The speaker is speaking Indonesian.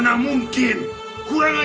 mana mungkin kurang saja